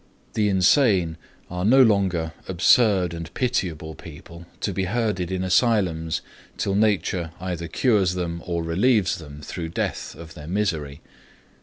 The insane are no longer absurd and pitiable people, to be herded in asylums till nature either cures them or relieves them, through death, of their misery.